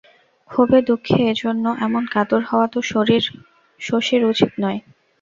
ক্ষোভে দুঃখে এজন্য এমন কাতর হওয়া তো শশীর উচিত নয়।